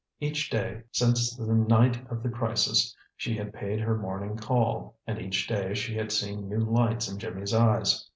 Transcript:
Each day since the night of the crisis she had paid her morning call, and each day she had seen new lights in Jimmy's eyes.